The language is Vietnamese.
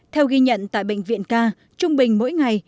theo ghi nhận tại bệnh viện ca trung bình mỗi ngày